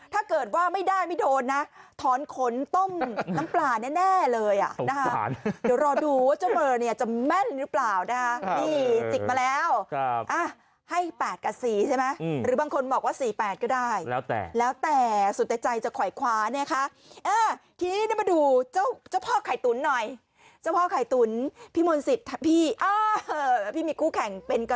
ถ้าเกิดว่าไม่ได้ไม่โดนนะถอนขนต้มน้ำปลาแน่เลยอ่ะนะคะเดี๋ยวรอดูว่าเจ้าเบอร์เนี่ยจะแม่นหรือเปล่านะคะนี่จิกมาแล้วให้๘กับ๔ใช่ไหมหรือบางคนบอกว่า๔๘ก็ได้แล้วแต่แล้วแต่สุดแต่ใจจะขวายคว้าเนี่ยค่ะทีนี้มาดูเจ้าพ่อไข่ตุ๋นหน่อยเจ้าพ่อไข่ตุ๋นพี่มนต์สิทธิ์พี่มีคู่แข่งเป็นก